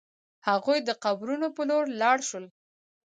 هغوی د قبرونو په لور لاړ شول.